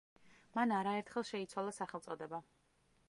მან არაერთხელ შეიცვალა სახელწოდება.